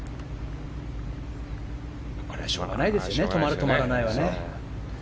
しょうがないですね止まる、止まらないは。